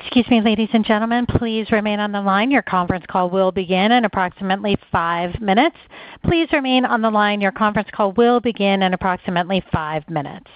Excuse me, ladies and gentlemen. Please remain on the line. Your conference call will begin in approximately five minutes. Please remain on the line. Your conference call will begin in approximately five minutes.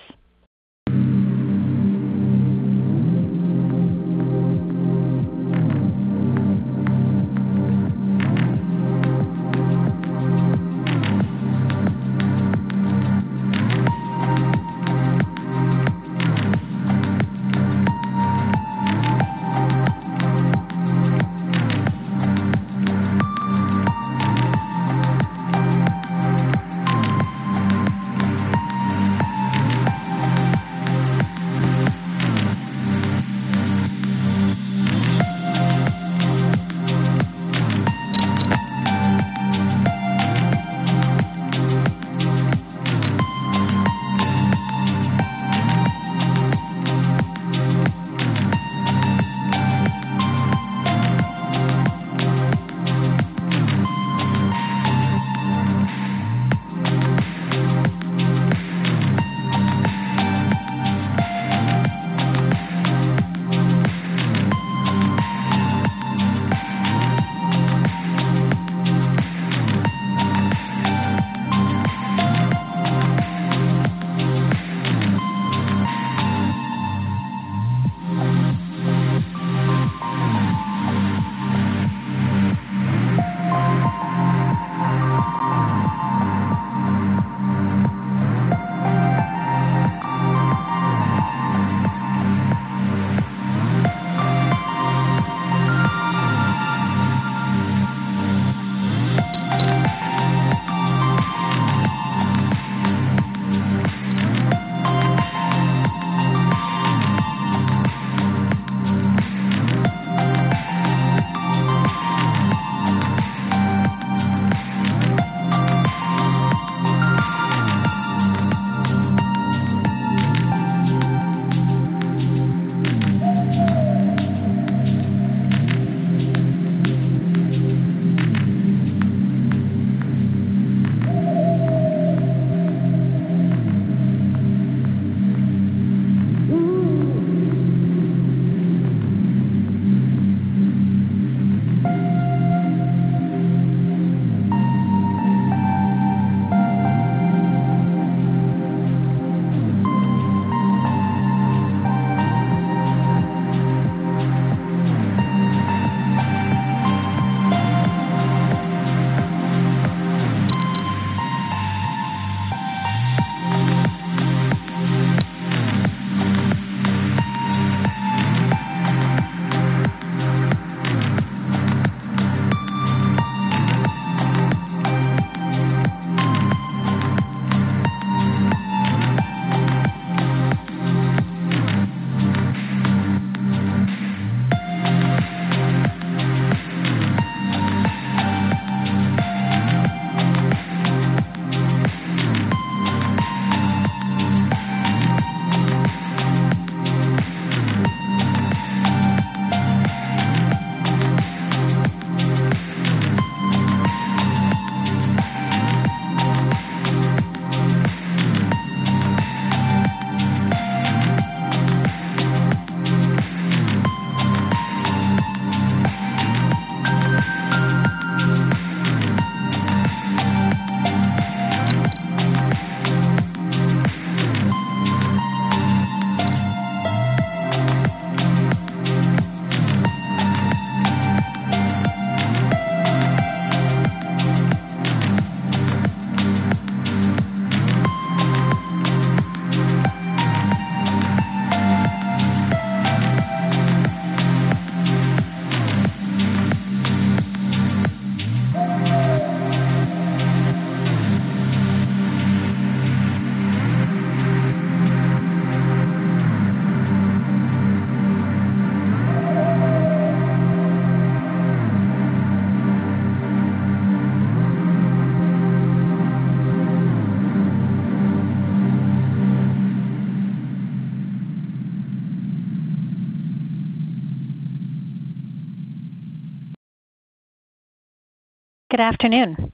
Good afternoon.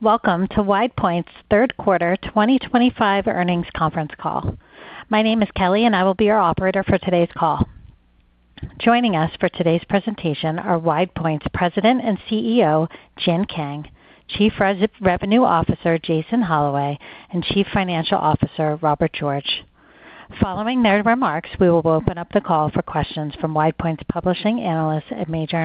Welcome to WidePoint's third quarter 2025 earnings conference call. My name is Kelly, and I will be your operator for today's call. Joining us for today's presentation are WidePoint's President and CEO, Jin Kang, Chief Revenue Officer, Jason Holloway, and Chief Financial Officer, Robert George. Following their remarks, we will open up the call for questions from WidePoint's publishing analysts and major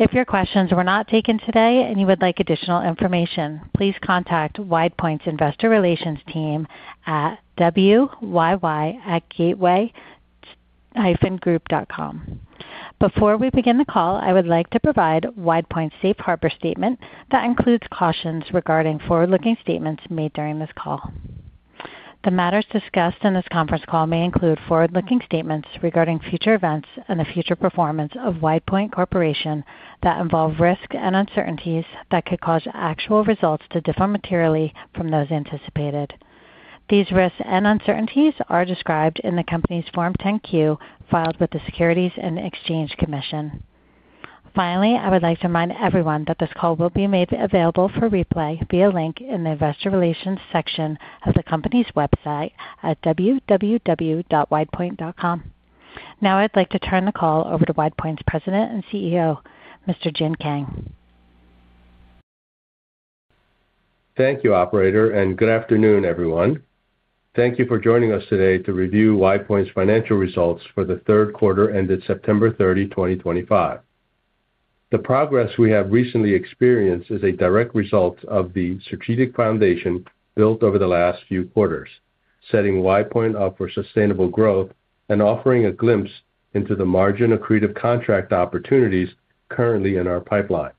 investors. If your questions were not taken today and you would like additional information, please contact WidePoint's investor relations team at wyy@gateway-group.com. Before we begin the call, I would like to provide WidePoint's safe harbor statement that includes cautions regarding forward-looking statements made during this call. The matters discussed in this conference call may include forward-looking statements regarding future events and the future performance of WidePoint Corporation that involve risks and uncertainties that could cause actual results to differ materially from those anticipated. These risks and uncertainties are described in the company's Form 10Q filed with the Securities and Exchange Commission. Finally, I would like to remind everyone that this call will be made available for replay via a link in the investor relations section of the company's website at www.widepoint.com. Now, I'd like to turn the call over to WidePoint's President and CEO, Mr. Jin Kang. Thank you, Operator, and good afternoon, everyone. Thank you for joining us today to review WidePoint's financial results for the third quarter ended September 30, 2025. The progress we have recently experienced is a direct result of the strategic foundation built over the last few quarters, setting WidePoint up for sustainable growth and offering a glimpse into the margin accretive contract opportunities currently in our pipeline.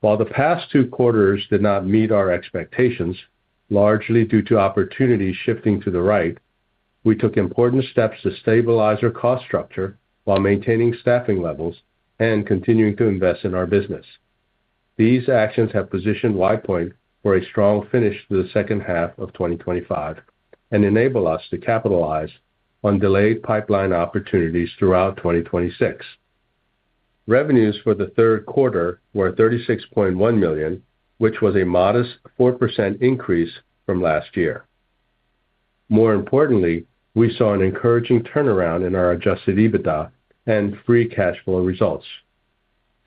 While the past two quarters did not meet our expectations, largely due to opportunities shifting to the right, we took important steps to stabilize our cost structure while maintaining staffing levels and continuing to invest in our business. These actions have positioned WidePoint for a strong finish to the second half of 2025 and enable us to capitalize on delayed pipeline opportunities throughout 2026. Revenues for the third quarter were $36.1 million, which was a modest 4% increase from last year. More importantly, we saw an encouraging turnaround in our adjusted EBITDA and free cash flow results.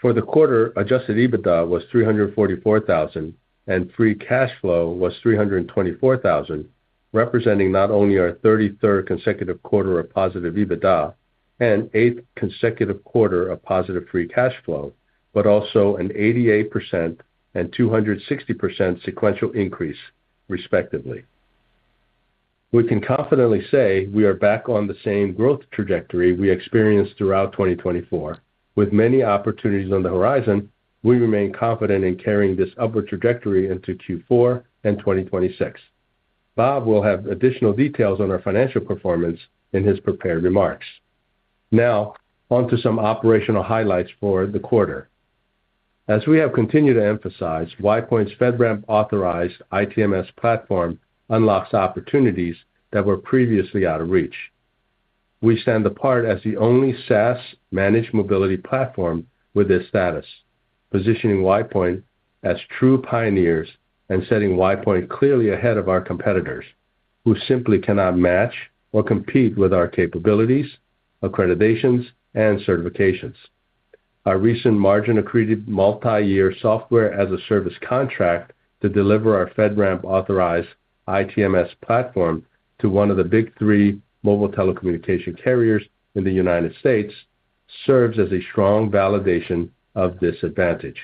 For the quarter, adjusted EBITDA was $344,000 and free cash flow was $324,000, representing not only our 33rd consecutive quarter of positive EBITDA and eighth consecutive quarter of positive free cash flow, but also an 88% and 260% sequential increase, respectively. We can confidently say we are back on the same growth trajectory we experienced throughout 2024. With many opportunities on the horizon, we remain confident in carrying this upward trajectory into Q4 and 2026. Bob will have additional details on our financial performance in his prepared remarks. Now, onto some operational highlights for the quarter. As we have continued to emphasize, WidePoint's FedRAMP-authorized ITMS platform unlocks opportunities that were previously out of reach. We stand apart as the only SaaS-managed mobility platform with this status, positioning WidePoint as true pioneers and setting WidePoint clearly ahead of our competitors, who simply cannot match or compete with our capabilities, accreditations, and certifications. Our recent margin-accretive multi-year software-as-a-service contract to deliver our FedRAMP-authorized ITMS platform to one of the Big Three mobile telecommunication carriers in the United States serves as a strong validation of this advantage.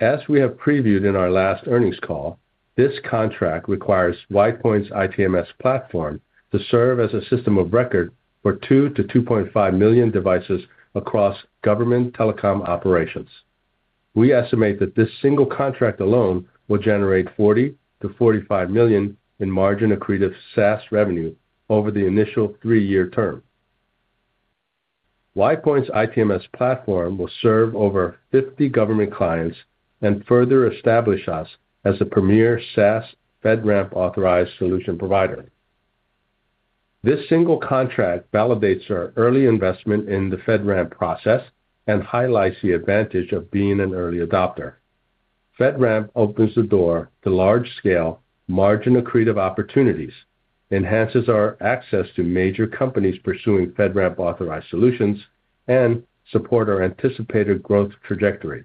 As we have previewed in our last earnings call, this contract requires WidePoint's ITMS platform to serve as a system of record for 2-2.5 million devices across government telecom operations. We estimate that this single contract alone will generate $40-$45 million in margin-accretive SaaS revenue over the initial three-year term. WidePoint's ITMS platform will serve over 50 government clients and further establish us as the premier SaaS FedRAMP-authorized solution provider. This single contract validates our early investment in the FedRAMP process and highlights the advantage of being an early adopter. FedRAMP opens the door to large-scale margin-accretive opportunities, enhances our access to major companies pursuing FedRAMP-authorized solutions, and supports our anticipated growth trajectory.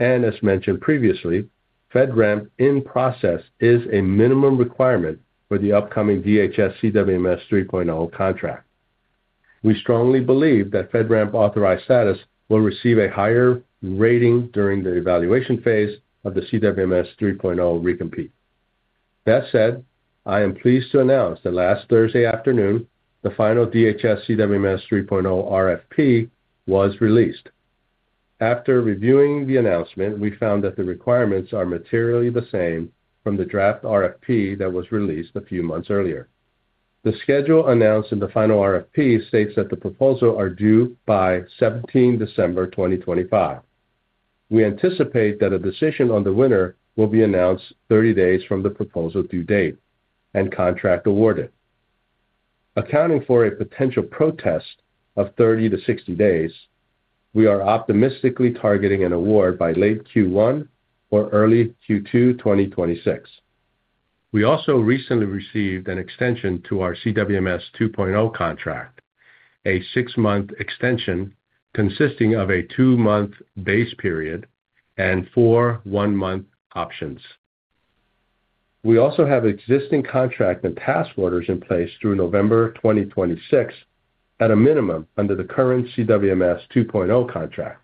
As mentioned previously, FedRAMP in process is a minimum requirement for the upcoming DHS CWMS 3.0 contract. We strongly believe that FedRAMP-authorized status will receive a higher rating during the evaluation phase of the CWMS 3.0 recompete. That said, I am pleased to announce that last Thursday afternoon, the final DHS CWMS 3.0 RFP was released. After reviewing the announcement, we found that the requirements are materially the same from the draft RFP that was released a few months earlier. The schedule announced in the final RFP states that the proposals are due by 17 December, 2025. We anticipate that a decision on the winner will be announced 30 days from the proposal due date and contract awarded. Accounting for a potential protest of 30-60 days, we are optimistically targeting an award by late Q1 or early Q2 2026. We also recently received an extension to our CWMS 2.0 contract, a six-month extension consisting of a two-month base period and four one-month options. We also have existing contract and task orders in place through November 2026 at a minimum under the current CWMS 2.0 contract.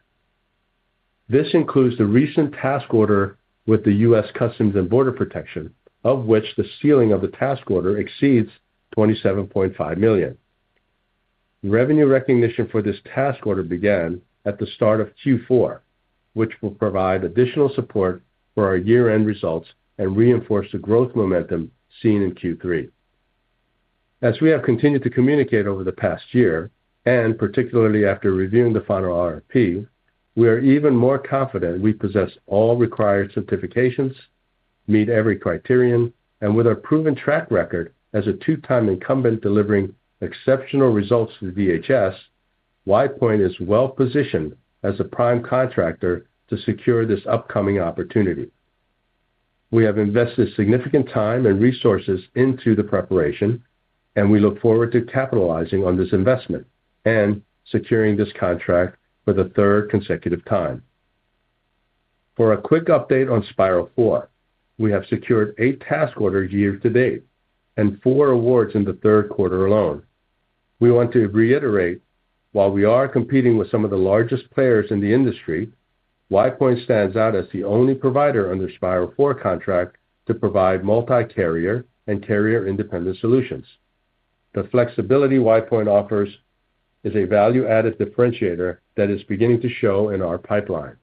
This includes the recent task order with the U.S. Customs and Border Protection, of which the ceiling of the task order exceeds $27.5 million. Revenue recognition for this task order began at the start of Q4, which will provide additional support for our year-end results and reinforce the growth momentum seen in Q3. As we have continued to communicate over the past year, and particularly after reviewing the final RFP, we are even more confident we possess all required certifications, meet every criterion, and with our proven track record as a two-time incumbent delivering exceptional results for VHS, WidePoint is well positioned as a prime contractor to secure this upcoming opportunity. We have invested significant time and resources into the preparation, and we look forward to capitalizing on this investment and securing this contract for the third consecutive time. For a quick update on Spiral 4, we have secured eight task orders year to date and four awards in the third quarter alone. We want to reiterate, while we are competing with some of the largest players in the industry, WidePoint stands out as the only provider under Spiral 4 contract to provide multi-carrier and carrier-independent solutions. The flexibility WidePoint offers is a value-added differentiator that is beginning to show in our pipeline.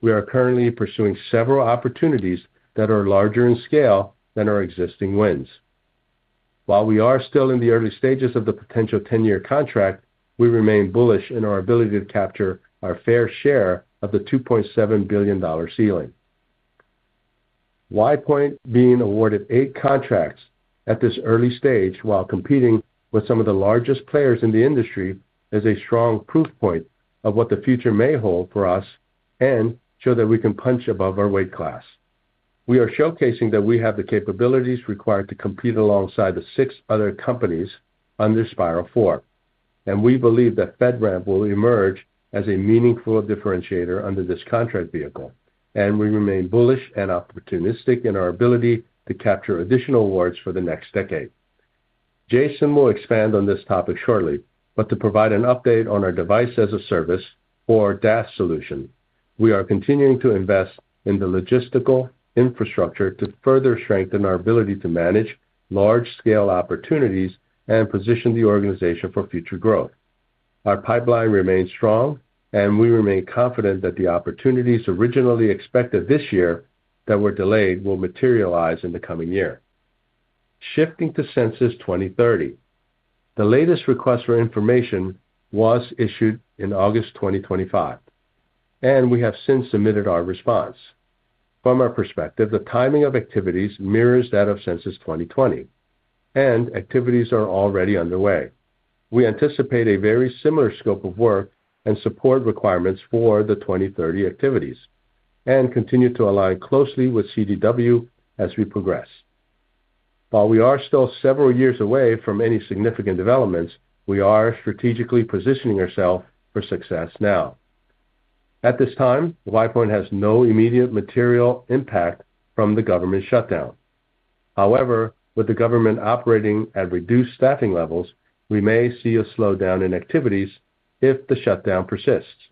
We are currently pursuing several opportunities that are larger in scale than our existing wins. While we are still in the early stages of the potential 10-year contract, we remain bullish in our ability to capture our fair share of the $2.7 billion ceiling. WidePoint being awarded eight contracts at this early stage while competing with some of the largest players in the industry is a strong proof point of what the future may hold for us and show that we can punch above our weight class. We are showcasing that we have the capabilities required to compete alongside the six other companies under Spiral 4, and we believe that FedRAMP will emerge as a meaningful differentiator under this contract vehicle, and we remain bullish and opportunistic in our ability to capture additional awards for the next decade. Jason will expand on this topic shortly, but to provide an update on our Device-as-a-Service or DAS solution, we are continuing to invest in the logistical infrastructure to further strengthen our ability to manage large-scale opportunities and position the organization for future growth. Our pipeline remains strong, and we remain confident that the opportunities originally expected this year that were delayed will materialize in the coming year. Shifting to Census 2030, the latest request for information was issued in August 2025, and we have since submitted our response. From our perspective, the timing of activities mirrors that of Census 2020, and activities are already underway. We anticipate a very similar scope of work and support requirements for the 2030 activities and continue to align closely with CDW as we progress. While we are still several years away from any significant developments, we are strategically positioning ourselves for success now. At this time, WidePoint has no immediate material impact from the government shutdown. However, with the government operating at reduced staffing levels, we may see a slowdown in activities if the shutdown persists.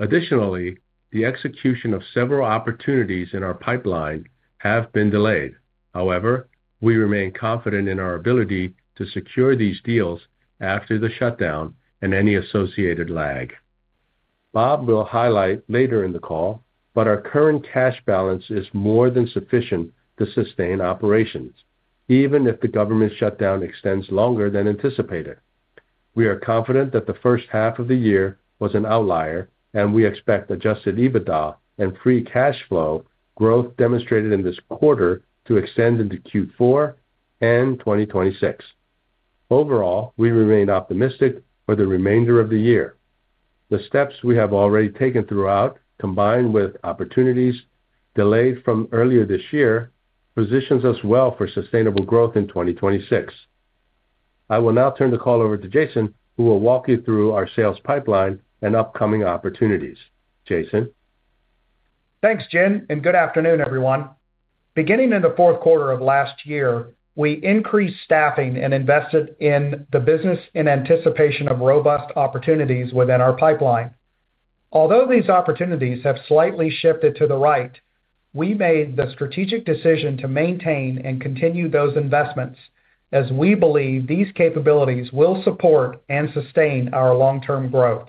Additionally, the execution of several opportunities in our pipeline has been delayed. However, we remain confident in our ability to secure these deals after the shutdown and any associated lag. Bob will highlight later in the call, but our current cash balance is more than sufficient to sustain operations, even if the government shutdown extends longer than anticipated. We are confident that the first half of the year was an outlier, and we expect adjusted EBITDA and free cash flow growth demonstrated in this quarter to extend into Q4 and 2026. Overall, we remain optimistic for the remainder of the year. The steps we have already taken throughout, combined with opportunities delayed from earlier this year, positions us well for sustainable growth in 2026. I will now turn the call over to Jason, who will walk you through our sales pipeline and upcoming opportunities. Jason. Thanks, Jin, and good afternoon, everyone. Beginning in the fourth quarter of last year, we increased staffing and invested in the business in anticipation of robust opportunities within our pipeline. Although these opportunities have slightly shifted to the right, we made the strategic decision to maintain and continue those investments as we believe these capabilities will support and sustain our long-term growth.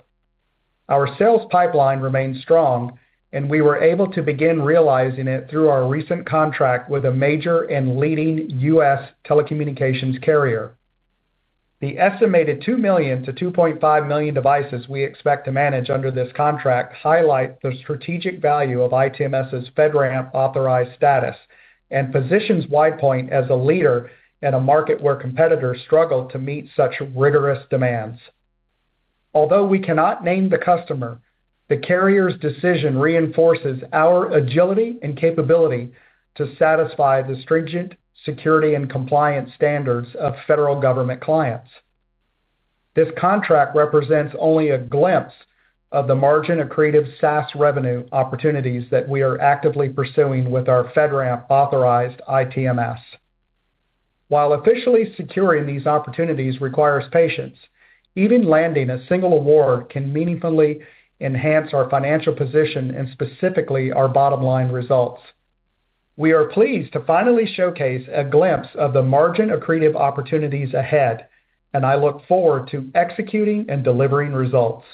Our sales pipeline remains strong, and we were able to begin realizing it through our recent contract with a major and leading U.S. telecommunications carrier. The estimated 2 million-2.5 million devices we expect to manage under this contract highlight the strategic value of ITMS's FedRAMP-authorized status and positions WidePoint as a leader in a market where competitors struggle to meet such rigorous demands. Although we cannot name the customer, the carrier's decision reinforces our agility and capability to satisfy the stringent security and compliance standards of federal government clients. This contract represents only a glimpse of the margin-accretive SaaS revenue opportunities that we are actively pursuing with our FedRAMP-authorized ITMS. While officially securing these opportunities requires patience, even landing a single award can meaningfully enhance our financial position and specifically our bottom-line results. We are pleased to finally showcase a glimpse of the margin-accretive opportunities ahead, and I look forward to executing and delivering results.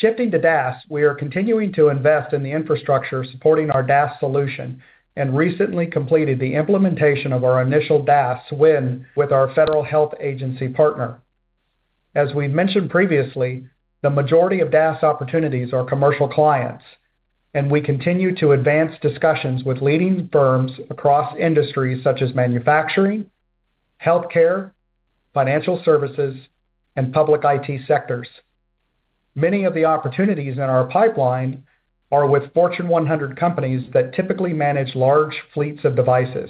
Shifting to DAS, we are continuing to invest in the infrastructure supporting our DAS solution and recently completed the implementation of our initial DAS win with our federal health agency partner. As we've mentioned previously, the majority of DAS opportunities are commercial clients, and we continue to advance discussions with leading firms across industries such as manufacturing, healthcare, financial services, and public IT sectors. Many of the opportunities in our pipeline are with Fortune 100 companies that typically manage large fleets of devices.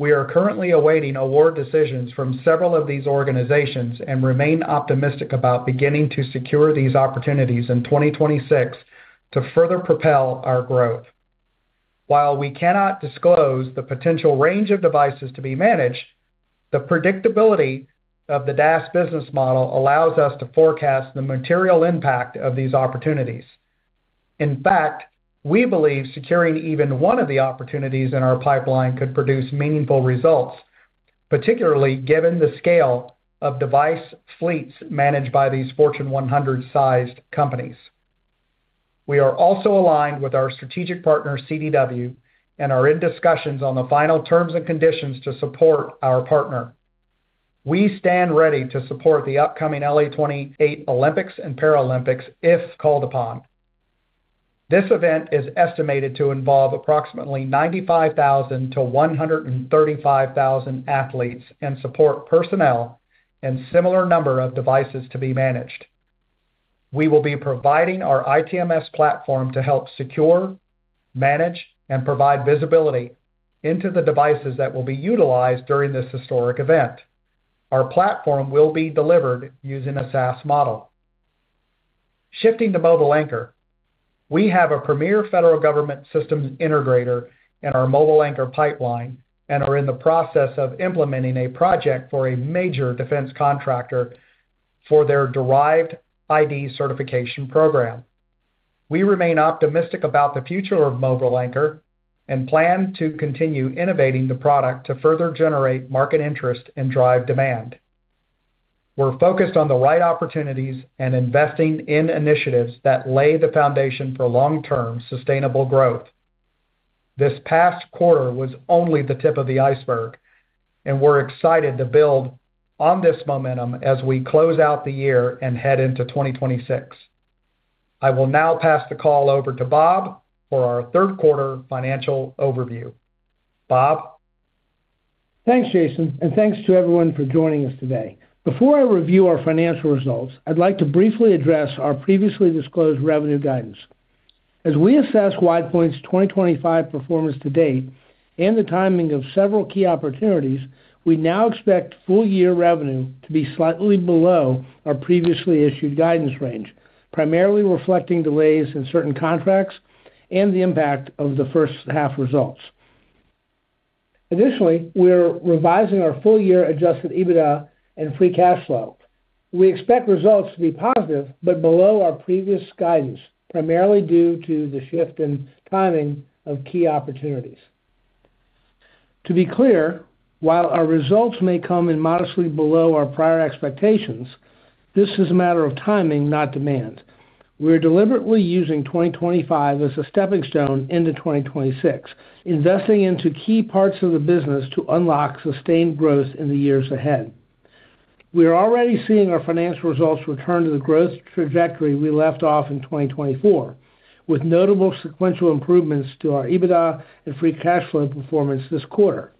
We are currently awaiting award decisions from several of these organizations and remain optimistic about beginning to secure these opportunities in 2026 to further propel our growth. While we cannot disclose the potential range of devices to be managed, the predictability of the DAS business model allows us to forecast the material impact of these opportunities. In fact, we believe securing even one of the opportunities in our pipeline could produce meaningful results, particularly given the scale of device fleets managed by these Fortune 100-sized companies. We are also aligned with our strategic partner, CDW, and are in discussions on the final terms and conditions to support our partner. We stand ready to support the upcoming Los Angeles 2028 Olympics and Paralympics if called upon. This event is estimated to involve approximately 95,000-135,000 athletes and support personnel and a similar number of devices to be managed. We will be providing our ITMS platform to help secure, manage, and provide visibility into the devices that will be utilized during this historic event. Our platform will be delivered using a SaaS model. Shifting to Mobile Anchor, we have a premier federal government systems integrator in our Mobile Anchor pipeline and are in the process of implementing a project for a major defense contractor for their derived ID certification program. We remain optimistic about the future of Mobile Anchor and plan to continue innovating the product to further generate market interest and drive demand. We're focused on the right opportunities and investing in initiatives that lay the foundation for long-term sustainable growth. This past quarter was only the tip of the iceberg, and we're excited to build on this momentum as we close out the year and head into 2026. I will now pass the call over to Bob for our third quarter financial overview. Bob. Thanks, Jason, and thanks to everyone for joining us today. Before I review our financial results, I'd like to briefly address our previously disclosed revenue guidance. As we assess WidePoint's 2025 performance to date and the timing of several key opportunities, we now expect full-year revenue to be slightly below our previously issued guidance range, primarily reflecting delays in certain contracts and the impact of the first-half results. Additionally, we're revising our full-year adjusted EBITDA and free cash flow. We expect results to be positive but below our previous guidance, primarily due to the shift in timing of key opportunities. To be clear, while our results may come in modestly below our prior expectations, this is a matter of timing, not demand. We're deliberately using 2025 as a stepping stone into 2026, investing into key parts of the business to unlock sustained growth in the years ahead. We are already seeing our financial results return to the growth trajectory we left off in 2024, with notable sequential improvements to our EBITDA and free cash flow performance this quarter.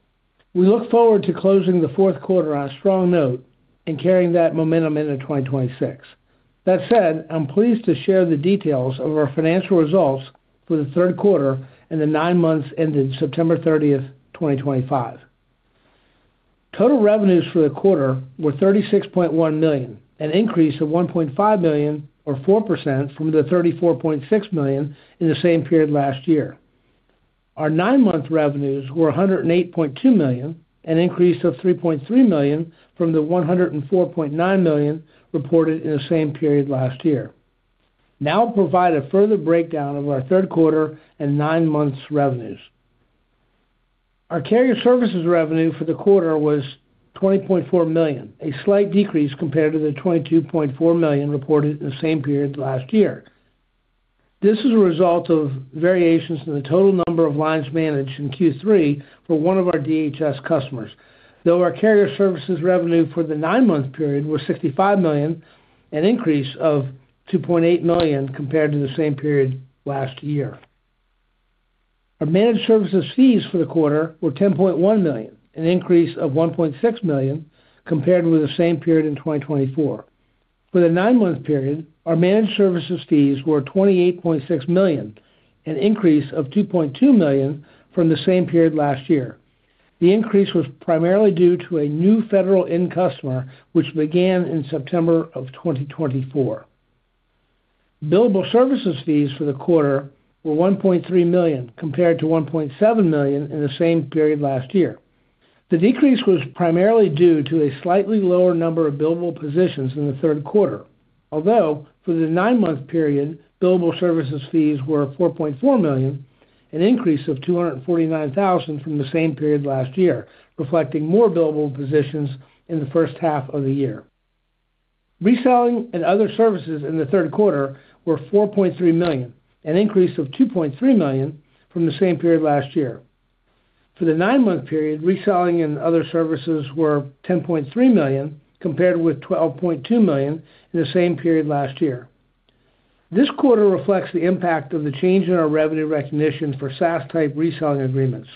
We look forward to closing the fourth quarter on a strong note and carrying that momentum into 2026. That said, I'm pleased to share the details of our financial results for the third quarter and the nine months ended September 30, 2025. Total revenues for the quarter were $36.1 million, an increase of $1.5 million, or 4%, from the $34.6 million in the same period last year. Our nine-month revenues were $108.2 million, an increase of $3.3 million from the $104.9 million reported in the same period last year. Now, I'll provide a further breakdown of our third quarter and nine-month revenues. Our carrier services revenue for the quarter was $20.4 million, a slight decrease compared to the $22.4 million reported in the same period last year. This is a result of variations in the total number of lines managed in Q3 for one of our DHS customers, though our carrier services revenue for the nine-month period was $65 million, an increase of $2.8 million compared to the same period last year. Our managed services fees for the quarter were $10.1 million, an increase of $1.6 million compared with the same period in 2024. For the nine-month period, our managed services fees were $28.6 million, an increase of $2.2 million from the same period last year. The increase was primarily due to a new federal end customer, which began in September of 2024. Billable services fees for the quarter were $1.3 million compared to $1.7 million in the same period last year. The decrease was primarily due to a slightly lower number of billable positions in the third quarter. Although for the nine-month period, billable services fees were $4.4 million, an increase of $249,000 from the same period last year, reflecting more billable positions in the first half of the year. Reselling and other services in the third quarter were $4.3 million, an increase of $2.3 million from the same period last year. For the nine-month period, reselling and other services were $10.3 million compared with $12.2 million in the same period last year. This quarter reflects the impact of the change in our revenue recognition for SaaS-type reselling agreements.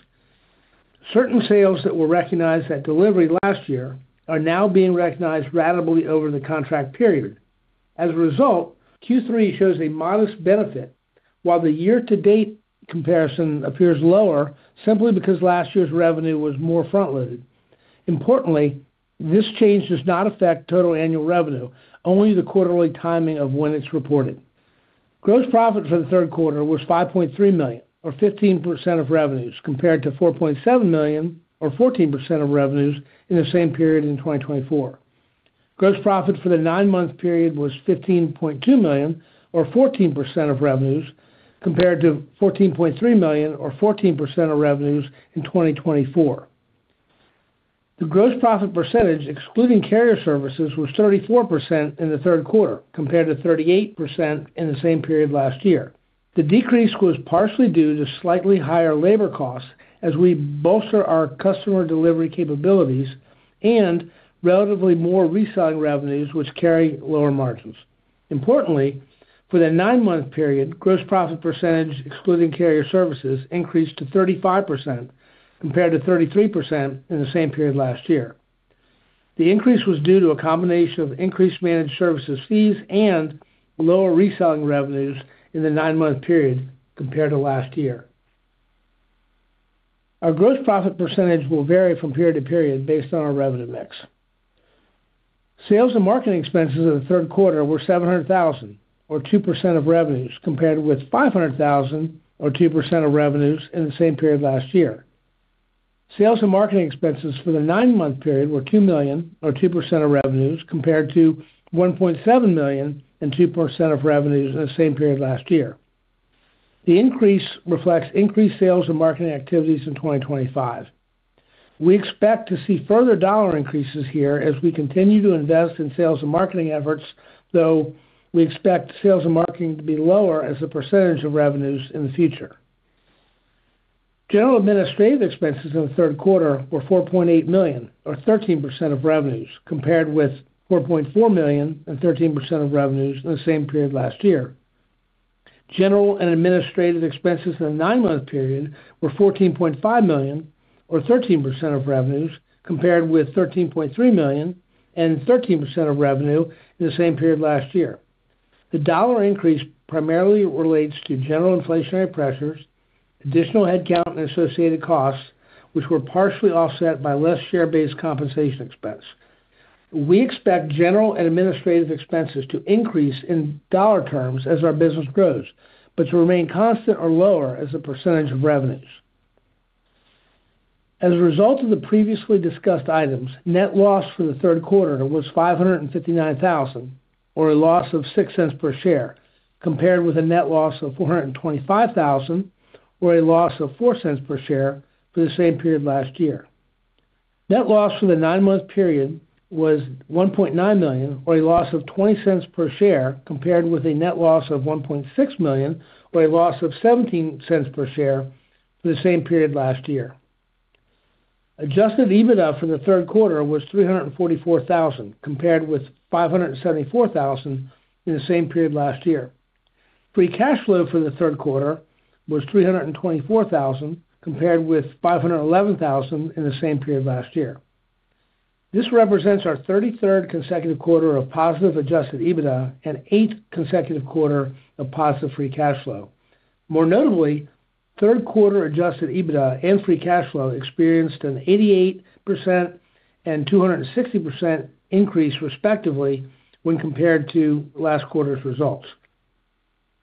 Certain sales that were recognized at delivery last year are now being recognized ratably over the contract period. As a result, Q3 shows a modest benefit, while the year-to-date comparison appears lower simply because last year's revenue was more front-loaded. Importantly, this change does not affect total annual revenue, only the quarterly timing of when it's reported. Gross profit for the third quarter was $5.3 million, or 15% of revenues, compared to $4.7 million, or 14% of revenues in the same period in 2023. Gross profit for the nine-month period was $15.2 million, or 14% of revenues, compared to $14.3 million, or 14% of revenues in 2023. The gross profit percentage, excluding carrier services, was 34% in the third quarter, compared to 38% in the same period last year. The decrease was partially due to slightly higher labor costs as we bolster our customer delivery capabilities and relatively more reselling revenues, which carry lower margins. Importantly, for the nine-month period, gross profit percentage, excluding carrier services, increased to 35%, compared to 33% in the same period last year. The increase was due to a combination of increased managed services fees and lower reselling revenues in the nine-month period compared to last year. Our gross profit percentage will vary from period to period based on our revenue mix. Sales and marketing expenses of the third quarter were $700,000, or 2% of revenues, compared with $500,000, or 2% of revenues in the same period last year. Sales and marketing expenses for the nine-month period were $2 million, or 2% of revenues, compared to $1.7 million and 2% of revenues in the same period last year. The increase reflects increased sales and marketing activities in 2025. We expect to see further dollar increases here as we continue to invest in sales and marketing efforts, though we expect sales and marketing to be lower as a percentage of revenues in the future. General administrative expenses in the third quarter were $4.8 million, or 13% of revenues, compared with $4.4 million and 13% of revenues in the same period last year. General and administrative expenses in the nine-month period were $14.5 million, or 13% of revenues, compared with $13.3 million and 13% of revenues in the same period last year. The dollar increase primarily relates to general inflationary pressures, additional headcount, and associated costs, which were partially offset by less share-based compensation expense. We expect general and administrative expenses to increase in dollar terms as our business grows, but to remain constant or lower as a percentage of revenues. As a result of the previously discussed items, net loss for the third quarter was $559,000, or a loss of $0.06 per share, compared with a net loss of $425,000, or a loss of $0.04 per share for the same period last year. Net loss for the nine-month period was $1.9 million, or a loss of $0.20 per share, compared with a net loss of $1.6 million, or a loss of $0.17 per share for the same period last year. Adjusted EBITDA for the third quarter was $344,000, compared with $574,000 in the same period last year. Free cash flow for the third quarter was $324,000, compared with $511,000 in the same period last year. This represents our 33rd consecutive quarter of positive adjusted EBITDA and eighth consecutive quarter of positive free cash flow. More notably, third-quarter adjusted EBITDA and free cash flow experienced an 88% and 260% increase, respectively, when compared to last quarter's results.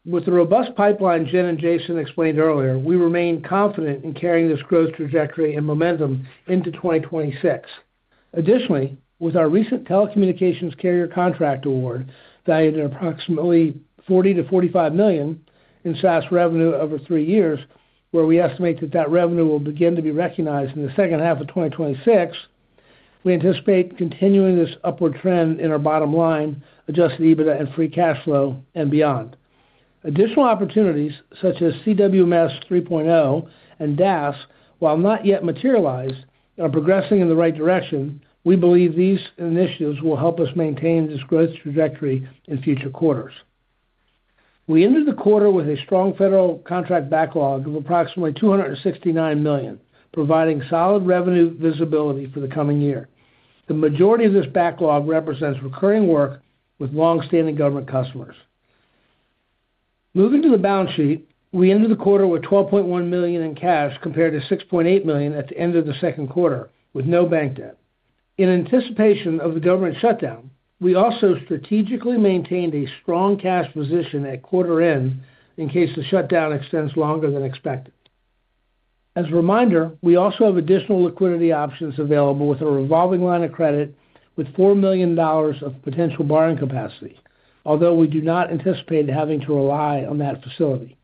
With the robust pipeline Jin and Jason explained earlier, we remain confident in carrying this growth trajectory and momentum into 2026. Additionally, with our recent telecommunications carrier contract award valued at approximately $40-$45 million in SaaS revenue over three years, where we estimate that that revenue will begin to be recognized in the second half of 2026, we anticipate continuing this upward trend in our bottom line, adjusted EBITDA and free cash flow, and beyond. Additional opportunities such as CWMS 3.0 and DAS, while not yet materialized, are progressing in the right direction. We believe these initiatives will help us maintain this growth trajectory in future quarters. We ended the quarter with a strong federal contract backlog of approximately $269 million, providing solid revenue visibility for the coming year. The majority of this backlog represents recurring work with long-standing government customers. Moving to the balance sheet, we ended the quarter with $12.1 million in cash compared to $6.8 million at the end of the second quarter, with no bank debt. In anticipation of the government shutdown, we also strategically maintained a strong cash position at quarter end in case the shutdown extends longer than expected. As a reminder, we also have additional liquidity options available with a revolving line of credit with $4 million of potential borrowing capacity, although we do not anticipate having to rely on that facility.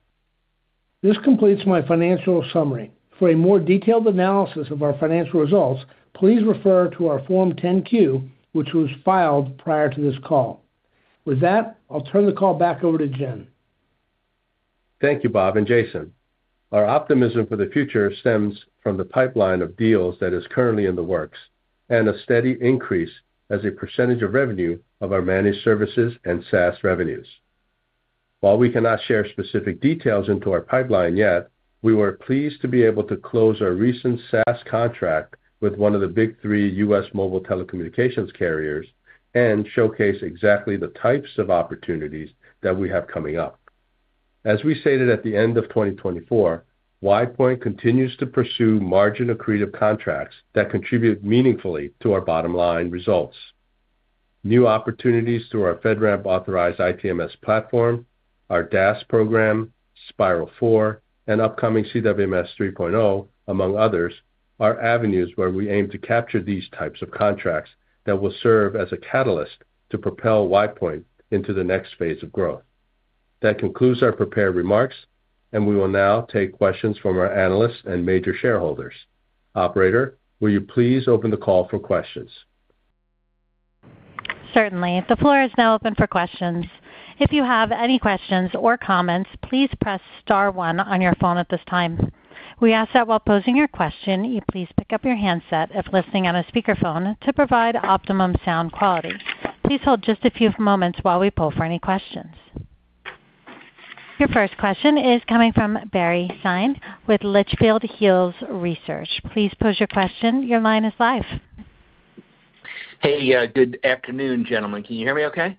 This completes my financial summary. For a more detailed analysis of our financial results, please refer to our Form 10Q, which was filed prior to this call. With that, I'll turn the call back over to Jin. Thank you, Bob and Jason. Our optimism for the future stems from the pipeline of deals that is currently in the works and a steady increase as a % of revenue of our managed services and SaaS revenues. While we cannot share specific details into our pipeline yet, we were pleased to be able to close our recent SaaS contract with one of the big three U.S. mobile telecommunications carriers and showcase exactly the types of opportunities that we have coming up. As we stated at the end of 2024, WidePoint continues to pursue margin-accretive contracts that contribute meaningfully to our bottom line results. New opportunities through our FedRAMP-authorized ITMS platform, our DAS program, Spiral 4, and upcoming CWMS 3.0, among others, are avenues where we aim to capture these types of contracts that will serve as a catalyst to propel WidePoint into the next phase of growth. That concludes our prepared remarks, and we will now take questions from our analysts and major shareholders. Operator, will you please open the call for questions? Certainly. The floor is now open for questions. If you have any questions or comments, please press star one on your phone at this time. We ask that while posing your question, you please pick up your handset if listening on a speakerphone to provide optimum sound quality. Please hold just a few moments while we pull for any questions. Your first question is coming from Barry Sine with Litchfield Hills Research. Please pose your question. Your line is live. Hey, good afternoon, gentlemen. Can you hear me okay?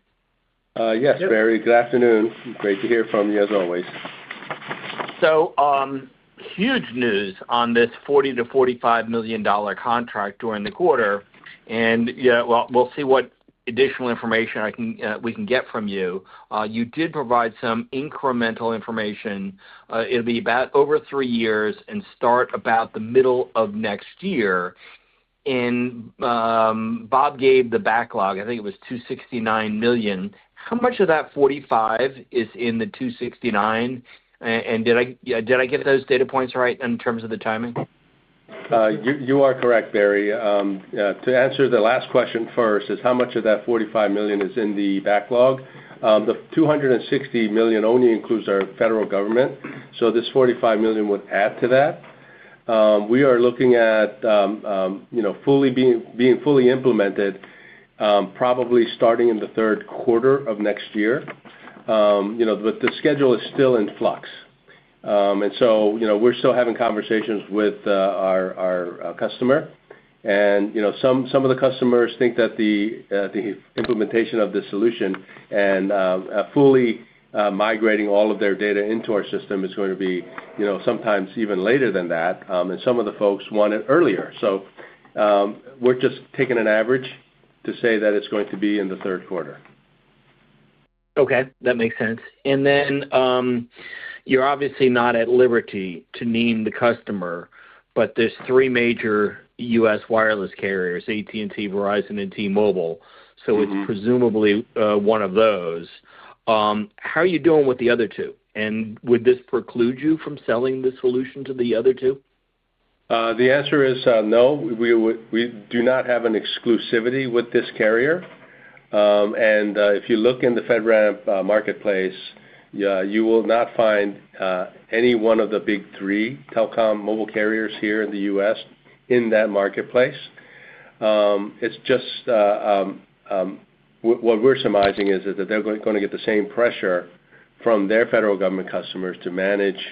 Yes, Barry. Good afternoon. Great to hear from you as always. Huge news on this $40-$45 million contract during the quarter. We'll see what additional information we can get from you. You did provide some incremental information. It'll be about over three years and start about the middle of next year. Bob gave the backlog, I think it was $269 million. How much of that $45 million is in the $269 million? Did I get those data points right in terms of the timing? You are correct, Barry. To answer the last question first, how much of that $45 million is in the backlog? The $260 million only includes our federal government, so this $45 million would add to that. We are looking at being fully implemented probably starting in the third quarter of next year, but the schedule is still in flux. We are still having conversations with our customer. Some of the customers think that the implementation of the solution and fully migrating all of their data into our system is going to be sometimes even later than that, and some of the folks want it earlier. We are just taking an average to say that it is going to be in the third quarter. Okay. That makes sense. You're obviously not at liberty to name the customer, but there are three major U.S. wireless carriers: AT&T, Verizon, and T-Mobile. It is presumably one of those. How are you doing with the other two? Would this preclude you from selling the solution to the other two? The answer is no. We do not have an exclusivity with this carrier. If you look in the FedRAMP marketplace, you will not find any one of the big three telecom mobile carriers here in the U.S. in that marketplace. It's just what we're surmising is that they're going to get the same pressure from their federal government customers to manage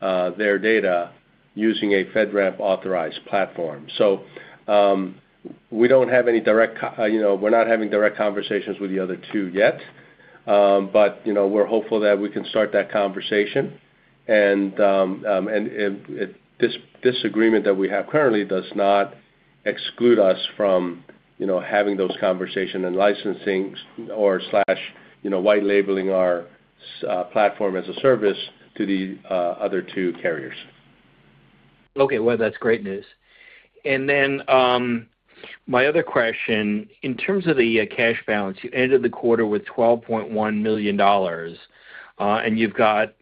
their data using a FedRAMP-authorized platform. We do not have any direct—we're not having direct conversations with the other two yet, but we're hopeful that we can start that conversation. This agreement that we have currently does not exclude us from having those conversations and licensing or white-labeling our platform as a service to the other two carriers. Okay. That's great news. Then my other question, in terms of the cash balance, you ended the quarter with $12.1 million, and you've got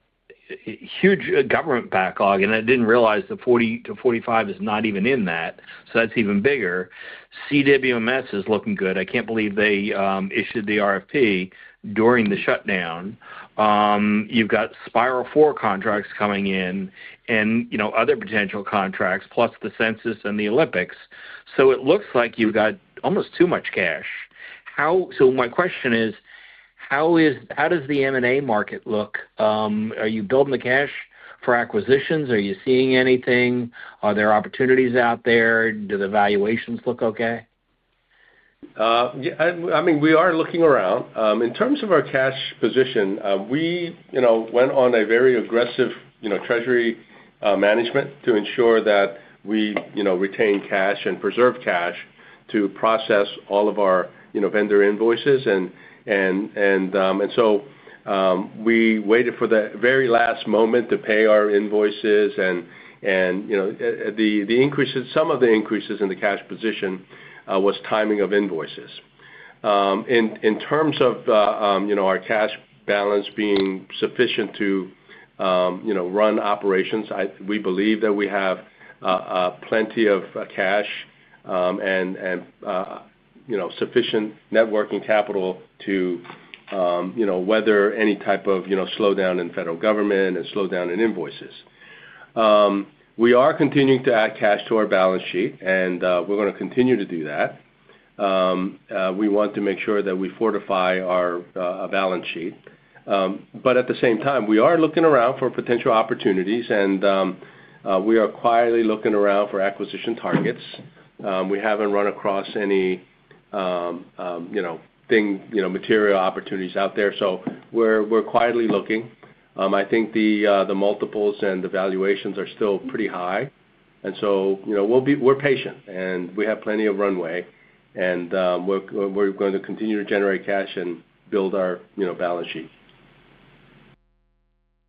huge government backlog. I didn't realize the $40-$45 million is not even in that, so that's even bigger. CWMS is looking good. I can't believe they issued the RFP during the shutdown. You've got Spiral 4 contracts coming in and other potential contracts, plus the census and the Olympics. It looks like you've got almost too much cash. My question is, how does the M&A market look? Are you building the cash for acquisitions? Are you seeing anything? Are there opportunities out there? Do the valuations look okay? I mean, we are looking around. In terms of our cash position, we went on a very aggressive treasury management to ensure that we retain cash and preserve cash to process all of our vendor invoices. We waited for the very last moment to pay our invoices. The increase in some of the increases in the cash position was timing of invoices. In terms of our cash balance being sufficient to run operations, we believe that we have plenty of cash and sufficient networking capital to weather any type of slowdown in federal government and slowdown in invoices. We are continuing to add cash to our balance sheet, and we're going to continue to do that. We want to make sure that we fortify our balance sheet. At the same time, we are looking around for potential opportunities, and we are quietly looking around for acquisition targets. We haven't run across any material opportunities out there. We're quietly looking. I think the multiples and the valuations are still pretty high. We are patient, and we have plenty of runway. We're going to continue to generate cash and build our balance sheet.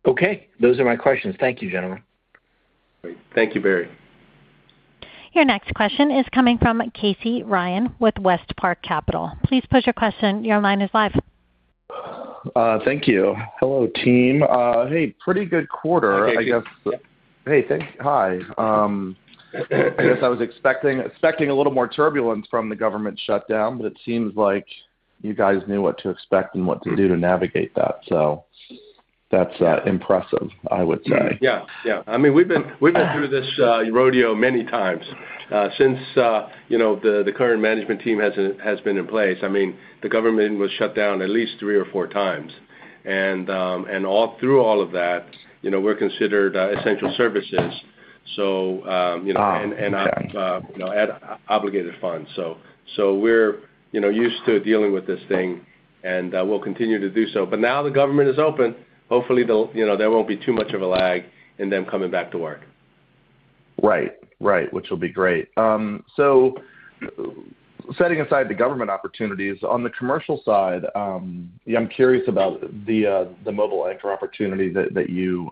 Okay. Those are my questions. Thank you, gentlemen. Great. Thank you, Barry. Your next question is coming from Casey Ryan with West Park Capital. Please pose your question. Your line is live. Thank you. Hello, team. Hey, pretty good quarter, I guess. Hey. Hey, thanks. Hi. I guess I was expecting a little more turbulence from the government shutdown, but it seems like you guys knew what to expect and what to do to navigate that. That is impressive, I would say. Yeah. Yeah. I mean, we've been through this rodeo many times since the current management team has been in place. I mean, the government was shut down at least three or four times. And through all of that, we're considered essential services. So. Obligated funds. We're used to dealing with this thing, and we'll continue to do so. Now the government is open. Hopefully, there won't be too much of a lag in them coming back to work. Right. Right, which will be great. Setting aside the government opportunities, on the commercial side, I'm curious about the Mobile Anchor opportunity that you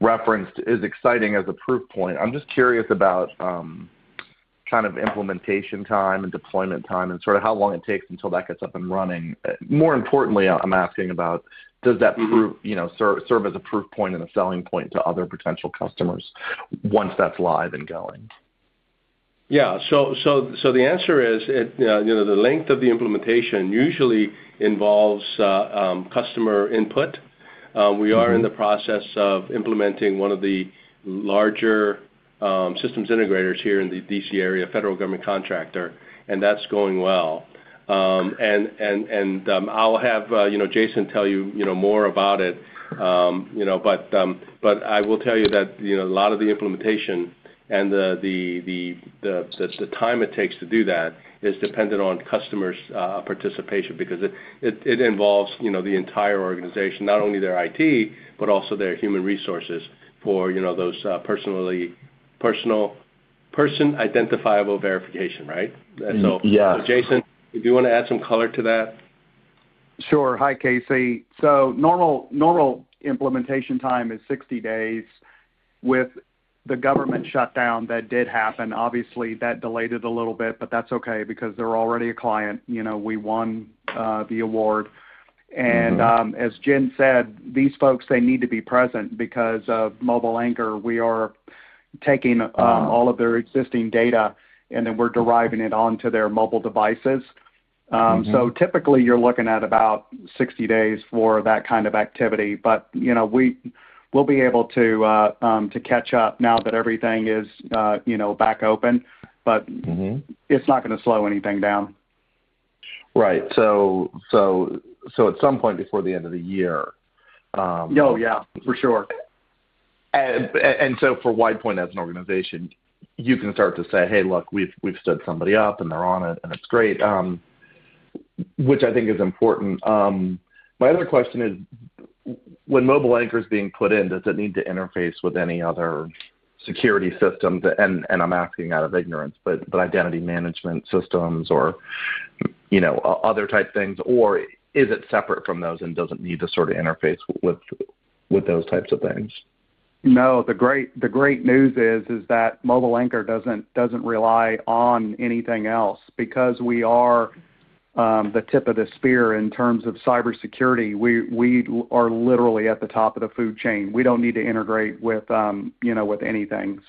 referenced is exciting as a proof point. I'm just curious about kind of implementation time and deployment time and sort of how long it takes until that gets up and running. More importantly, I'm asking about, does that serve as a proof point and a selling point to other potential customers once that's live and going? Yeah. So the answer is the length of the implementation usually involves customer input. We are in the process of implementing one of the larger systems integrators here in the DC area, federal government contractor, and that's going well. I'll have Jason tell you more about it. I will tell you that a lot of the implementation and the time it takes to do that is dependent on customer's participation because it involves the entire organization, not only their IT, but also their human resources for those personally identifiable verification, right? Yeah. Jason, do you want to add some color to that? Sure. Hi, Casey. Normal implementation time is 60 days. With the government shutdown that did happen, obviously, that delayed it a little bit, but that's okay because they're already a client. We won the award. As Jin said, these folks, they need to be present because of Mobile Anchor. We are taking all of their existing data, and then we're deriving it onto their mobile devices. Typically, you're looking at about 60 days for that kind of activity. We'll be able to catch up now that everything is back open, but it's not going to slow anything down. Right. So at some point before the end of the year. Oh, yeah. For sure. For WidePoint as an organization, you can start to say, "Hey, look, we've stood somebody up, and they're on it, and it's great," which I think is important. My other question is, when Mobile Anchor is being put in, does it need to interface with any other security systems? I'm asking out of ignorance, but identity management systems or other type things, or is it separate from those and doesn't need to sort of interface with those types of things? No. The great news is that Mobile Anchor doesn't rely on anything else. Because we are the tip of the spear in terms of cybersecurity, we are literally at the top of the food chain. We don't need to integrate with anything.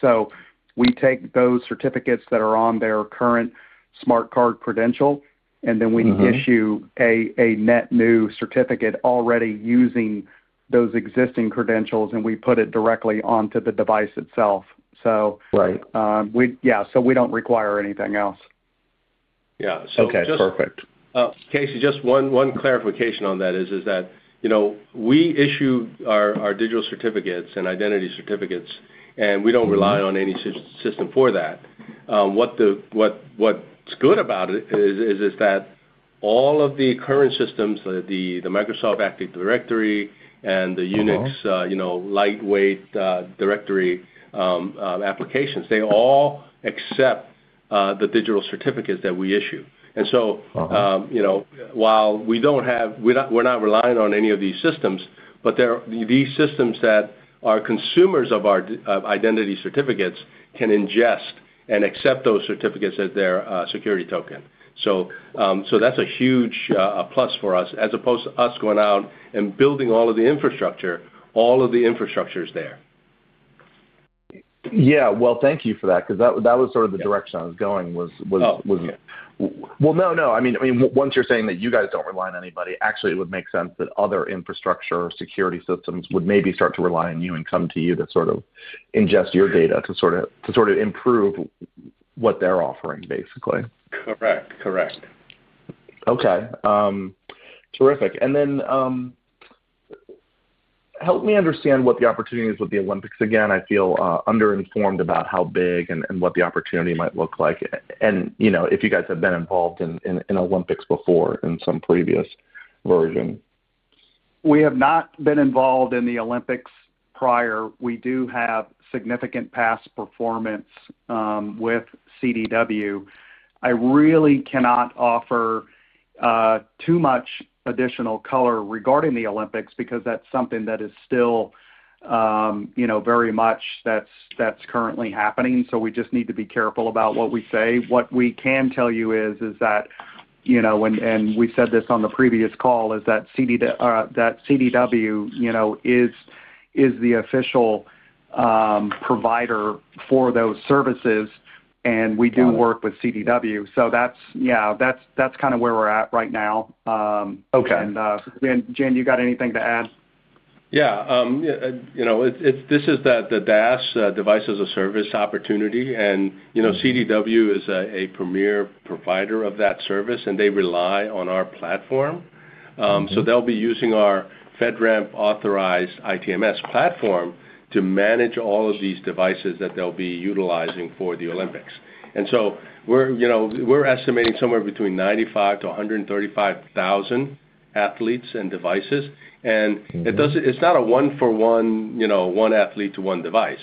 We take those certificates that are on their current smart card credential, and then we issue a net new certificate already using those existing credentials, and we put it directly onto the device itself. Yeah, we don't require anything else. Yeah. Okay. Perfect. Casey, just one clarification on that is that we issue our digital certificates and identity certificates, and we don't rely on any system for that. What's good about it is that all of the current systems, the Microsoft Active Directory and the Unix Lightweight Directory applications, they all accept the digital certificates that we issue. While we don't have—we're not relying on any of these systems—these systems that are consumers of our identity certificates can ingest and accept those certificates as their security token. That's a huge plus for us as opposed to us going out and building all of the infrastructure. All of the infrastructure is there. Yeah. Thank you for that because that was sort of the direction I was going was. Oh, okay. No, no. I mean, once you're saying that you guys don't rely on anybody, actually, it would make sense that other infrastructure or security systems would maybe start to rely on you and come to you to sort of ingest your data to sort of improve what they're offering, basically. Correct. Correct. Okay. Terrific. Help me understand what the opportunity is with the Olympics. Again, I feel underinformed about how big and what the opportunity might look like. If you guys have been involved in Olympics before in some previous version? We have not been involved in the Olympics prior. We do have significant past performance with CDW. I really cannot offer too much additional color regarding the Olympics because that's something that is still very much that's currently happening. We just need to be careful about what we say. What we can tell you is that—and we said this on the previous call—is that CDW is the official provider for those services, and we do work with CDW. Yeah, that's kind of where we're at right now. Jin, you got anything to add? Yeah. This is the DAS Device-as-a-Service opportunity. CDW is a premier provider of that service, and they rely on our platform. They will be using our FedRAMP-authorized ITMS platform to manage all of these devices that they will be utilizing for the Olympics. We are estimating somewhere between 95,000-135,000 athletes and devices. It is not a one-for-one, one athlete to one device.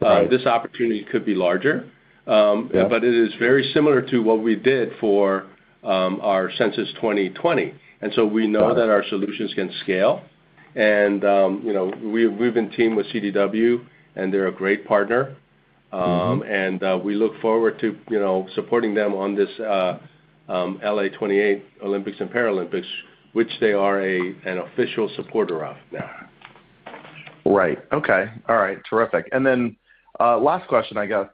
This opportunity could be larger, but it is very similar to what we did for our census 2020. We know that our solutions can scale. We have been teamed with CDW, and they are a great partner. We look forward to supporting them on this Los Angeles 2028 Olympics and Paralympics, which they are an official supporter of now. Right. Okay. All right. Terrific. Last question, I guess.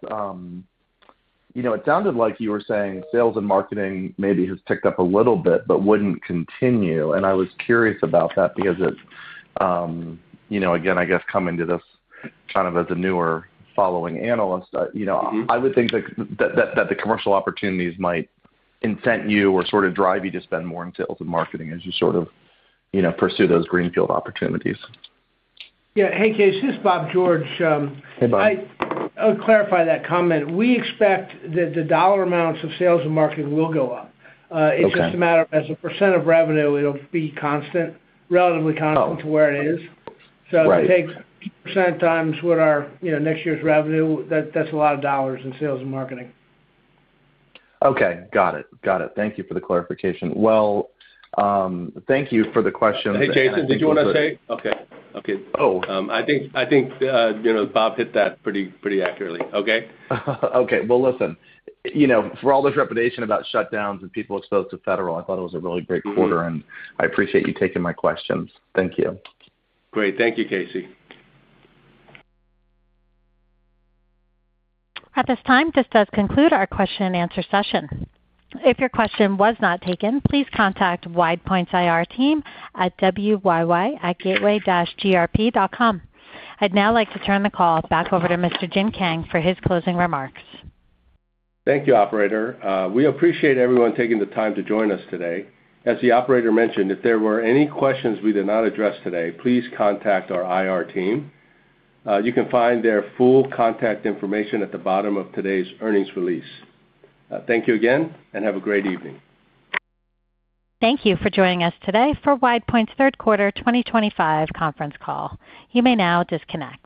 It sounded like you were saying sales and marketing maybe has picked up a little bit but would not continue. I was curious about that because, again, I guess coming to this kind of as a newer following analyst, I would think that the commercial opportunities might incent you or sort of drive you to spend more in sales and marketing as you sort of pursue those greenfield opportunities. Yeah. Hey, Casey. This is Bob George. Hey, Bob. I'll clarify that comment. We expect that the dollar amounts of sales and marketing will go up. It's just a matter of, as a percent of revenue, it'll be constant, relatively constant to where it is. If it takes 2% times what our next year's revenue, that's a lot of dollars in sales and marketing. Okay. Got it. Got it. Thank you for the clarification. Thank you for the questions. Hey, Jason, did you want to say? Okay. Okay. I think Bob hit that pretty accurately. Okay? Okay. Listen, for all this reputation about shutdowns and people exposed to federal, I thought it was a really great quarter. I appreciate you taking my questions. Thank you. Great. Thank you, Casey. At this time, this does conclude our question-and-answer session. If your question was not taken, please contact WidePoint's IR team at ‍WYY@gatewayir.com. I'd now like to turn the call back over to Mr. Jin Kang for his closing remarks. Thank you, operator. We appreciate everyone taking the time to join us today. As the operator mentioned, if there were any questions we did not address today, please contact our IR team. You can find their full contact information at the bottom of today's earnings release. Thank you again, and have a great evening. Thank you for joining us today for WidePoint's third quarter 2025 conference call. You may now disconnect.